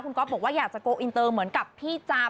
คุณก๊อฟบอกว่าอยากจะโกลอินเตอร์เหมือนกับพี่จาม